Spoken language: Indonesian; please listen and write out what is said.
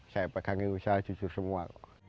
saya pegangin usaha jujur semua